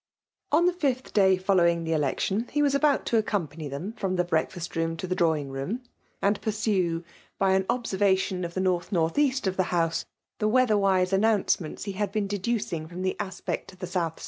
— On the fifth day following the election, he was about to accompany them from the breakfast ro<Hn to thadrawing room, and pursue, by an obaerra* tion of the N.NJB. of the house, the weather* wise announcements he had been deducing from the aspect of the S.S.